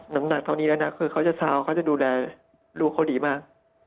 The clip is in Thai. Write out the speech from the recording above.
น้ำหนักเท่านี้แล้วนะคือเขาจะซาวเขาจะดูแลลูกเขาดีมาก